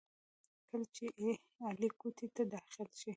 کله چې علي کوټې ته داخل شي،